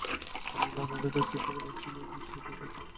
আমি রানারের কাছ থেকে রাইফেল নিয়ে জেসিওর মাথায় পরপর কয়েকবার আঘাত করি।